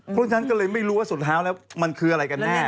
เพราะฉะนั้นก็เลยไม่รู้ว่าสุดท้ายแล้วมันคืออะไรกันแน่